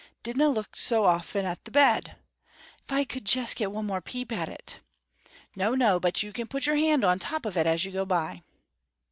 "Dinna look so often at the bed." "If I could jest get one more peep at it!" "No, no; but you can put your hand on the top of it as you go by."